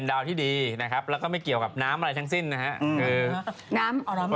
ดาวที่ดีนะครับแล้วก็ไม่เกี่ยวกับน้ำอะไรทั้งสิ้นนะฮะ